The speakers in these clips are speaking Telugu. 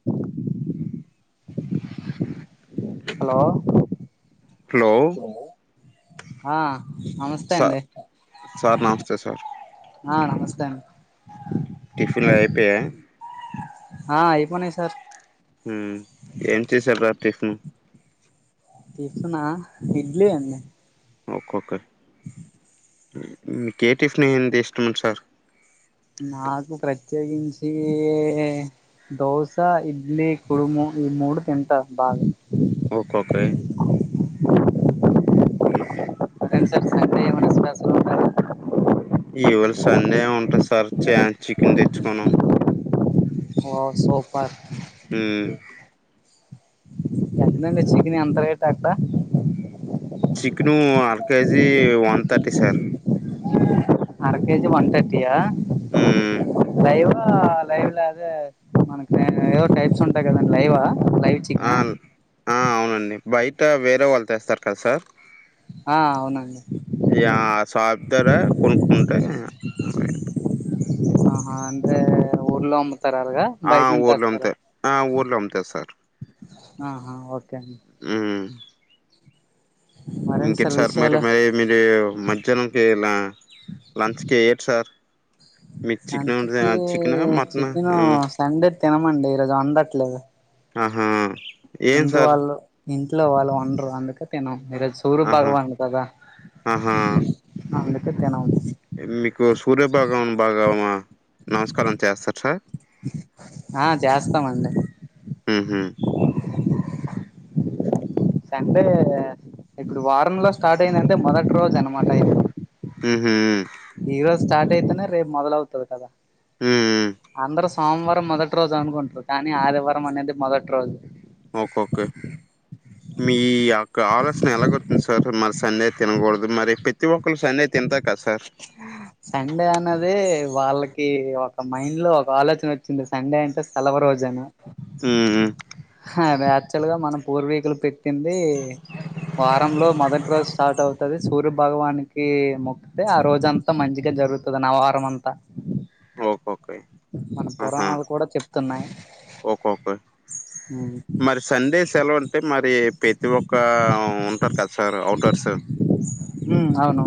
[inaudible] హలో హలో ఆ నమస్తే స అండి సార్ నమస్తే సార్ ఆ నమస్తే [unintelligible] టిఫిన్లు అయిపోయాయ ఆ అయిపోనే సార్ హ ఏం చేసార్ర [unintelligible] టిఫిన ఇడ్లీ అండి ఓకకే మీకు ఏ టిఫిన్ ఏంటి ఇష్టమం సార్? నాకు ప్రత్యేకించి దోస, ఇడ్లీ, కుడుము ఈ మూడు తింటా బాగా ఓకే కే అహ ఏంటి సార్ సండే ఏమన్నా స్పెషల్ ఉంటాదా? ఇవాళ సండే ఏం ఉంటది సార్, చాన్ చికెన్ తెచ్చుకున్నాం. ఆ సూపర్ హుమ్మ్ ఎంతండి చికెన్ ఎంత రేట్ ఆక్కడ చికెను అరకేజీ వన్ థర్టీ సార్ అరకేజీ వన్ థర్టీయా ఉమ్మ్ లైవా లైవ్లో అదే మనకి ఏదో టైప్స్ ఉంటాయి కదండి లైవా లైవ్ చి ఆ అవునండి, బయట వేరే వాళ్ళు తెస్తారు కదా సార్ ఆ అవునండి ఆ షాప్ దగ్గర కొనుక్కుంటే ఆహా అంటే ఊర్లో అమ్ముతారు అలాగా ఆ బయట నుంచి తెస్తారా ఊర్లోమ్మితే ఆ ఊర్లో అమ్ముతారు సార్ ఆహా ఓకే అండి ఊ మరేంటి ఇంక సార్ మరి విషయాలు మరి మీరు మధ్యాహ్నంకి ఎలా లంచ్ కి ఏటి సార్, మీ చికెన్ ఉంటది లంచ్కి చికెనా మటనా చికెన్ ఆ సండే తినమండి, ఈరోజు వండట్లేదు. ఆహా ఏం ఇంటి సార్ వాళ్ళు ఇంట్లో వాళ్ళు వండరు అందుకే తినం ఈరోజు తూరుపు ఆహా భగవానుడు కదా, ఆహా అందుకే తినం. మీకు సూర్యభగవానుడు బాగమా, నమస్కారం చేస్తారా సార్? ఆ చేస్తామండి ఉహు [inaudible] సండే, ఇప్పుడు వారంలో స్టార్ట్ అయిందంటే మొదటి రోజు అనమాట అయేది. ఉహూ ఈరోజు స్టార్ట్ అయితేనే రేపు మొదలవుతది కదా ఊ ఊ అందరూ సోమవారం మొదటి రోజు అనుకుంటారు కానీ ఆదివారం అనేది మొదటి రోజు. ఓకే ఓకే మీ యొక్క ఆలోచన ఎలాగౌతుంది సార్ మరి సండే తినకూడదు, మరి ప్రతి ఒక్కరు సండే తింటారు కదా సార్. సండే అన్నది వాళ్ళకి ఒక మైండ్ లో ఒక ఆలోచన వచ్చింది సండే అంటే సెలవు రోజేనా ఉమ్ అది యాక్చువల్ గా మన పూర్వీకులు పెట్టింది వారంలో మొదటి రోజు స్టార్ట్ అవుతది సూర్య భగవానుకి మొక్కితే ఆరోజు దంతా మంచిగా జరుగుతది ఆ వారం అంతా ఓహొ మన పురాణాలు కూడా చెప్తున్నా ఒకే ఒకే ఉ మరి సండే సెలవు అంటే మరి ప్రతి ఒక్క ఉంటారు కదా సార్ అవుటర్స్ ఉ అవును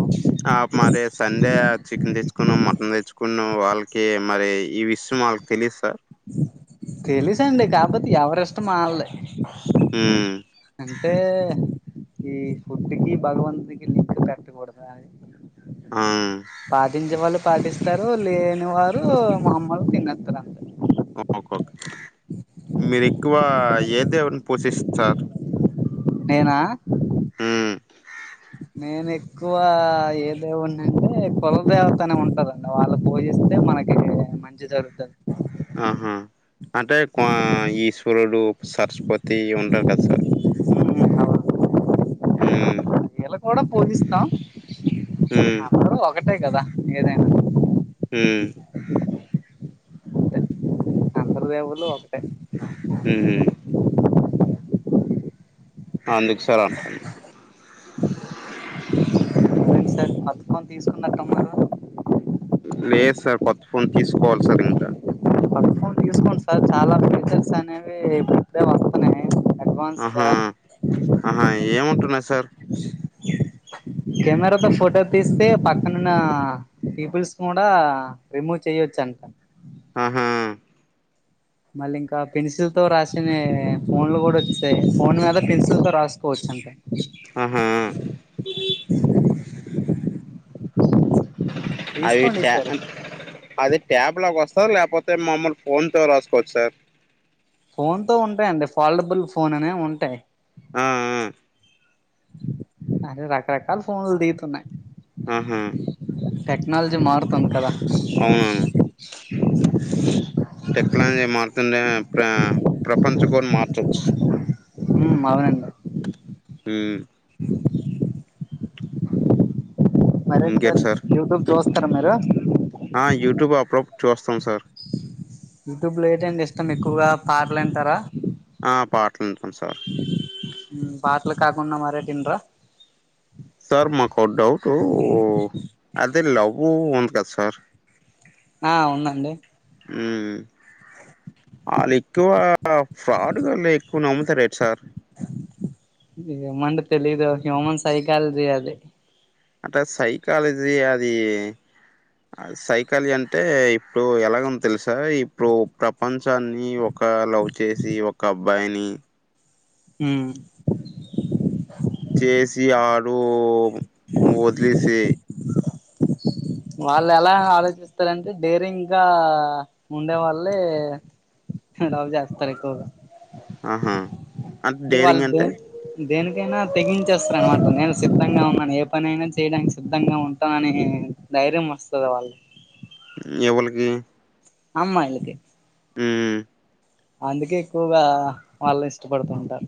ఆ మరి సండే చికెన్ తెచ్చుకున్నాం మటన్ తెచ్చుకున్నాం వాళ్ళకి మరి ఈ విషయం వాళ్ళకి తెలీదు సార్ తెలుసండి కాకపోతే ఎవరి ఇష్టం వాళ్ళే ఆ అంటే ఈ ఫుడ్కి భగవంతుకి లింక్ పెట్టకూడదు అనీ ఆ పాటించే వాళ్ళు పాటిస్తారు లేనివారు మాములుగా తినేత్తరు అంతే మీరు ఎక్కువ ఏ దేవున్నీ పోజిస్తారు నేనా అ నేను ఎక్కువ ఏ దేవున్ని అంటే కుల దేవతనే ఉంటారండి వాళ్ళు పూజిస్తే మనకి [inaudible] మంచి జరుగుతది ఆహా అంటే ఈశ్వరుడు సరస్వతి ఉంటారు కదా సార్ ఉ వీళ్ళని కూడా పూజిస్తాం హ్మ్. అందరూ ఒకటే కదా ఏదైనా ఉ అందరీ దేవుళ్ళు ఒక అ ఊ అందుకు సార్ అంటండు అదే సార్ [unintelligible] లేదు సార్ కొత్త ఫోన్ తీసుకోవాలి సార్ ఇంకా కొత్త ఫోన్ తీసుకోండి సార్ చాలా ఫీచర్స్ అనేవి ఇప్పుడేం వస్తున్నాయి అడ్వాన్స్ ఆహా గా ఆహా ఏమంటున్నాయ్ సార్ కెమెరా తో ఫోటో తీస్తే పక్కనున్న పీపుల్స్ కూడా రిమూవ్ చెయ్యచ్చు అంట ఆహా మళ్ళీ ఇంకా పెన్సిల్ తో రాసిన ఫోన్ లో కూడా వచ్చాయి ఫోన్ మీద పెన్సిల్ తో రాసుకోవచ్చు ఆన్ ఆహా తీసుకోండి అయిపా ఈసారి అది ట్యాబ్ లోకి వస్తారు లేకపోతే మమూలు ఫోన్ తో రాసుకోవచ్చు సార్ ఫోన్తో ఉంటాయి అండి ఫాల్టబుల్ ఫోన్ అనేవి ఉంటాయి ఆ ఆ అరే రకరకాల ఫోన్లు దిగుతున్నాయి ఆహా టెక్నాలజీ మారుతుంది కదా అవునవును టెక్నాలజీ మారుతుండే ప్ర ప్రపంచ కూడా మార్చచ్చు ఉమ్ బానే ఉన్నాడు హ మరీ సార్ యూట్యూబ్ చూస్తారా మీరు యూట్యూబ్ అప్పుడప్పుడు చూస్తాం సార్ యూట్యూబ్ లో ఏటండి ఇష్టం ఎక్కువగా పాటలు వింటారా ఆ పాటలు వింటాం సార్ పాటలు కాకుండా మరేమీ వినరా సార్ మాకు ఒక డౌట్ అదే లవ్ ఉంది కదా సార్ ఆ ఉందండి ఉమ్ వాళ్ళు ఎక్కువ ఫ్రాడ్గాల్ళ ఎక్కువ నమ్ముతారేంటి సార్ ఏమో అండి తెలిదు హ్యూమన్ సైకాలజి అది అంటే సైకాలజీ అది సైకాలజీ అంటే ఇప్పుడు ఎలాగందో తెలుసా ఇప్పుడు ప్రపంచాన్ని ఒ ఒక లవ్ చేసి ఒక అబ్బాయిని ఉమ్ చేసి ఆడు వదిలేసి వాళ్ళు ఎలా ఆలోచిస్తారంటే డేరింగ్ గా ఉండే వాళ్ళే లవ్ చేస్తారు ఎక్కువగా ఆహా అంటే వాళ్లయితే దేనికైనా తెగించేస్తారు అనమాట నేను సిద్ధంగా ఉన్నాను ఏ పని అయినా చేయడానికి సిద్ధంగా ఉంటా అనే ధైర్యం వస్తది వాళ్లకి ఎవలికి అమ్మాయిలకి ఉమ్ అందుకే ఎక్కువగా వాళ్ళునీ ఇష్టపడుతూ ఉంటారు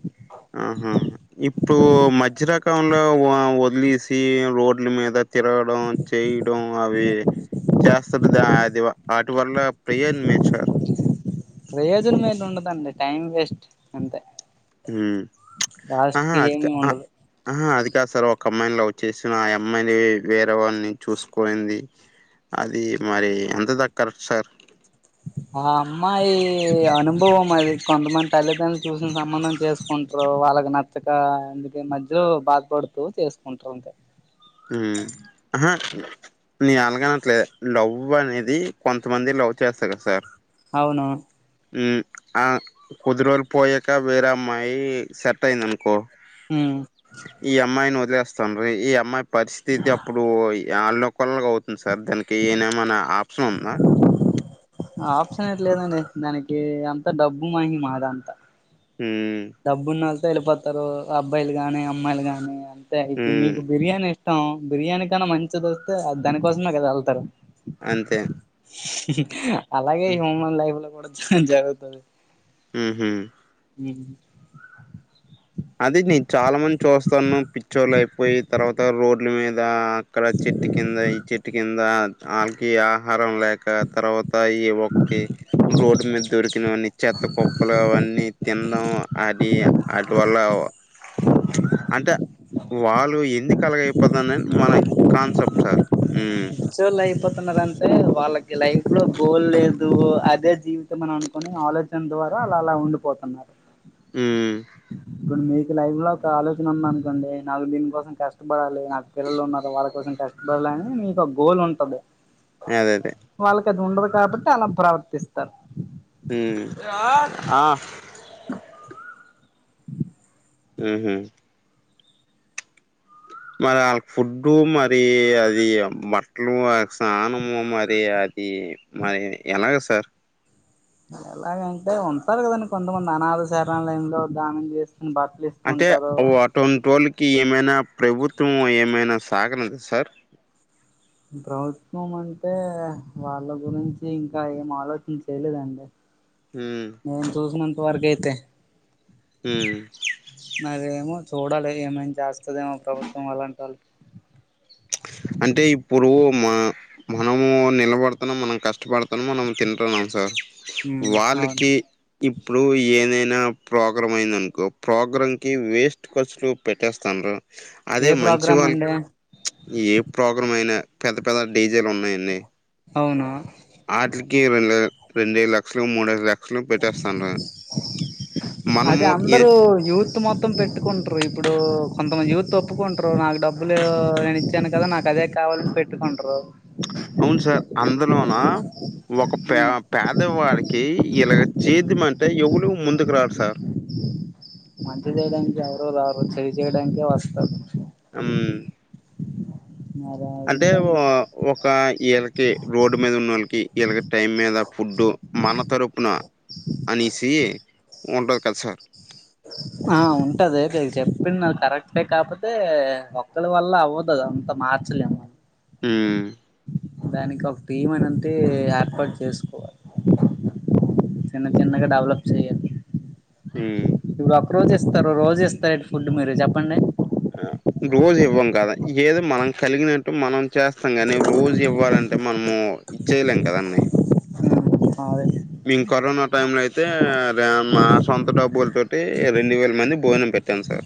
ఆహా ఇప్పుడు మధ్య రకంలో వదిలేసి రోడ్ల మీద తీరగడం చేయడం అవి చేస్తారుది కదా అది వాటి వల్ల ప్రయోజనం ఏంటి సార్ ప్రయోజనం మీద ఉండదండి టైం వేస్ట్ అంతే హు లాస్ట్ ఆహా కి అది ఏమి ఆ ఉండదు ఆహ అది కాదు సార్ ఒక అమ్మాయినీ లవ్ చేసిన ఆ అమ్మాయినీ వేరే వాళ్ళని చూసుకోనింది అది మరి ఎంత దాక కరెక్ట్ సార్ ఆ అమ్మా ఈ అనుభవం అది కొంతమంది తల్లిదండ్రులు చూసిన సంబంధం చేసుకుంట ఇప్పుడు వాళ్ళకి నచ్చక ఎందుకే మధ్యలో బాధపడుతూ చేసుకుంటా ఉంటారు ఉమ్ ఆహా నీ అలాగనట్లేదు లవ్ అనేది కొంతమంది లవ్ చేస్తారు కదా సార్ అవును ఉ ఆ కొద్దిరోజులు పోయాక వేరే అమ్మాయి సెట్ అయింది అనుకో ఉమ్ ఈ అమ్మాయిని వదిలేస్తాను ఈ అమ్మాయి పరిస్థితి ఏంటి అప్పుడు అని యాడో ఒకళ్ళకు అవుతుంది సార్ దానికి ఏనే ఏమైనా ఆప్షన్ ఉందా ఆప్షన్ ఎట్ లేదండి దానికి అంత డబ్బు మాహిమా ఆది అంతా హ డబ్బున్నళ్తో వెళ్ళిపోతారు అబ్బాయిలు గాని అమ్మాయిలు గాని అంతే ఇప్పుడు హ్మ్ మీకు బిర్యానీ ఇ ఇష్టం బిర్యానీ కన్నామంచిది వస్తే దనికోసమే కదా వెళ్తారు అంతే అలాగే హ్యూమన్ లైఫ్ లో కూడ జరుగుతది ఊహూ హు అదే నేను చాల మంది చూస్తాను పిచ్చోళ్ళు అయిపోయి తర్వాత రోడ్ల మీద అక్కడ చెట్టు కింద ఈ చెట్టు కింద ఆళ్ళకి ఆహారం లేక తర్వాత ఈ [unintelligible] రోడ్డు మీద దొరికినవన్నీ చెత్త కుప్పలో అవన్నీ తినడం అది [unintelligible] వల్ల అంటే వాళ్ళు ఎందుకు అలాగైపోత [unintelligible] మన కాన్సెప్ట్ సార్ పిచ్చోలు అయిపోతున్నారుంటే వాళ్ళకి లైఫ్ లో గోల్ లేదు అదే జీవితం అని అనుకుని ఆలో దాని ద్వారాఅలా అలా ఉండిపోతున్నారు హు ఇప్పుడు మీకు లైఫ్ లో ఒక ఆలోచన ఉంది అనుకోండి నాకు దీనికోసం కష్టపడాలి నాకు పిల్లలు ఉన్నరు వాళ్ళ కోసం కష్టపడలేని నీకు ఒక గోల్ ఉంటది అదే అదే వాళ్ళకి అది ఉండదు కాబట్టి అల ప్రవర్తిస్తర్ ఆ ఆహ మరి వాళ్ళకి ఫుడ్డు మరి అది బట్టలు స్నానము మరి అది మరి [unintelligible] సార్ ఎలాగంటే ఉంటారు కదండి కొంతమంది అనాధ శరణాలయంలో [unintelligible] చేస్త బట్టలిస్ అంటే [unintelligible] ఏమైనా ప్రభుత్వం ఏమైన [unintelligible] సార్ ప్రభుత్వం అంటే వాళ్ళ గురించి ఇంకా ఏం ఆలోచన చేయలేదండి హు నేను చూసినంత వరకు అయితే హు మరేమో చూడాలి ఏమేమి చేస్తదేమో ప్రభుత్వం అలాంటి వ అంటే ఇప్పుడు మా మనము నిలబడుతున్నాం మనం కష్టపడుతున్నాం మనం తింటున్నాం సార్ ఉమ్ అవును వాళ్లకి ఇప్పుడు ఏదైనా ప్రోగ్రాం అయిందనుకో ప్రోగ్రాంకి వేస్ట్ ఖర్చులు పెట్టే [unintelligible] ఏ అదే మంచి ప్రోగ్రామ్ వా అండి [unintelligible] ఏ ప్రోగ్రాం అయినా పెద్ద పెద్ద డీజేలు ఉన్నాయి అన్ని అవును [unintelligible] [unintelligible] అదే మనము ఈ [unintelligible] మొత్తం పెట్టుకుంటారు ఇప్పుడు కొంతమంది యుత్ ఒప్పుకుంటారు నాకు డబ్బులు నేను ఇచ్చాను కదా నాకు అదే కావాలని పెట్టుకుంటారు అవును సార్ అందులోన ఒక ఉమ్ [unintelligible] పేదవాడికి ఇలాగ చేద్దమంటే ఎవరు ముందుకు రారు సార్ మంచి చేయడానికి ఎవరు రారు చెడు చేయడానికి వస్తారు ఉ మరి అంటే అంతే ఒక వీళ్ళకి రోడ్ మీద ఉన్న వాళ్ళకి వీళ్ళకి టైం మీద ఫుడ్ మన తరపున అనేసి ఉంటా ది కదా సార్? ఆ ఉంటాది చెప్పింది నా కరెక్టే కాకపోతే ఇతరుల వల్ల అవుతాది అంతా మార్చలేము. మ్ దానికి ఒక టీం అనింటే ఏర్పాటు చేసుకోవాలి. చిన్న చిన్నగా డెవలప్ చేయాలి. మ్ ఇప్పుడు ఒక రోజు ఇస్తే రోజు ఇస్తారా ఫుడ్ మీరు చెప్పండి. ఆ రోజు ఇవ్వం కదా ఏదో మనం కలిగినట్టు మనం చేస్తాం కానీ రోజూ ఇవ్వాలంటే మనము. చేయలేము కదా అండి. అదే మేము కరోనా టైమ్ంలో అయితే మా సొంత డబ్బుల తోటి రెండు వేల మందికి భోజనం పెట్టాను సార్.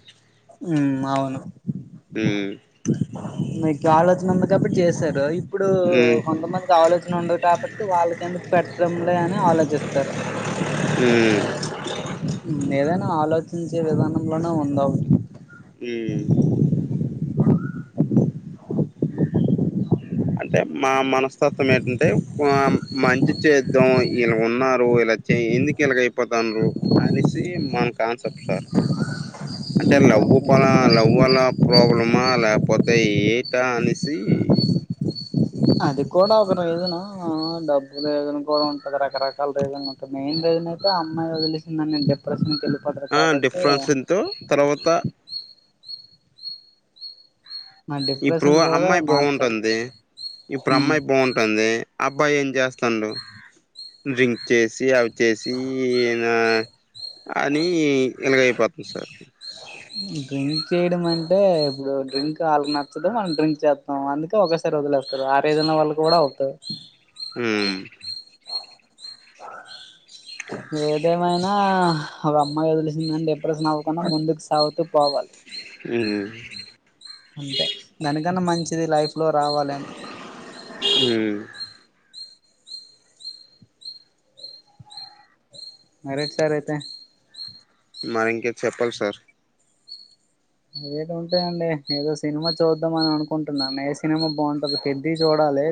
హ్మ్ అవును, ఉమ్ మీకు ఆలోచన ఉంది కాబట్టి చేశారోయ్ ఇప్పుడు ఉమ్ కొంతమందికి ఆలోచన ఉండదు కాబట్టి వాళ్ళకి ఎందుకు పెట్టడంలే అని ఆలోచిస్తారు. మ్ ఏదైనా ఆలోచించే విధానంలోనే ఉందావు. మ్ అంటే మా మనస్తత్వం ఏంటంటే, మంచి చేద్దాం ఇలా ఉన్నారు ఇలా ఎందుకు ఎలాగ అయిపోతను అనేసి మన కాన్సెప్ట్ సార్ అంటే లవ్వు పల లవ్వుల ప్రాబ్లమా లేకపోతే ఏటా అనేసి అది కూడా ఒక రీజను డబ్బు లేదును కూడా ఉంటాది రకరకాల రీజనులు. ఇ మెయిన్ రీజన్ అయితే అమ్మాయి వదిలేసిందని నేను డిప్రెషన్ వెళ్ళిపోతాను ఆ కాబట్టి డిఫరెన్స్ ఎంతో తర్వాత ఆ ఇప్పుడు డిప్రెషన్ కూడా అమ్మాయి మార్చాలి బాగుంటుంది ఇప్పుడు ఉమ్ అమ్మాయి బాగుంటుంది. అబ్బాయి ఏం చేస్తాండు డ్రింక్ చేసి అవి చేసి నా అని ఇలాగైపోతుంది సార్. డ్రింక్ చేయడం అంటే ఇప్పుడు డ్రింక్ వాళ్ళకు నచ్చదు మనం డ్రింక్ చేస్తాం అందుకే ఒక వదిలి వేస్తారు. ఆ రీజన్ వళ్ళ కూడా అవుతాయ్. మ్ ఏదేమైనా ఒక అమ్మాయి వదిలిసిందని డిప్రెషన్ అవ్వకుండా ముందుకు సాగుతూ పోవాలి. మ్ అంతే దానికన్నా మంచిది లైఫ్ లో రావాలేమో మ్ మరేటి సార్ అయితే మరి ఇంకేటి చెప్పాలి సార్ ఏటి ఉంటాయండి ఏదో సినిమా చూద్దామని అనుకుంటున్నాను. ఏ సినిమా బాగుంటాది పెద్ది చూడాలి.